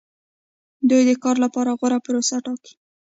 دوی د کار لپاره غوره پروسه ټاکي.